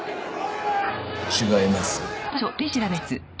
違います。